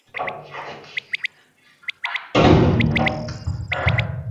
戊辰战争是日本历史上在王政复古中成立的明治新政府击败江户幕府势力的一次内战。